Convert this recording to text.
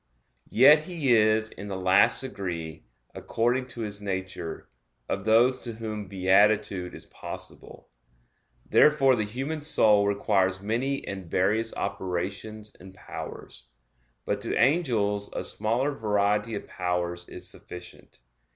Yet he is in the last degree, according to his nature, of those to whom beatitude is possible; therefore the human soul requires many and various operations and powers. But to angels a smaller variety of powers is sufficient.